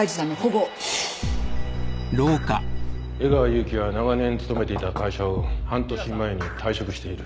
江川有樹は長年勤めていた会社を半年前に退職している。